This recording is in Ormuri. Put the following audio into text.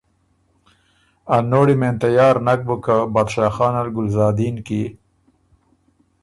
ا نوړي مېن تیار نک بُک که بادشاه خان ال ګلزادین کی